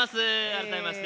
改めまして。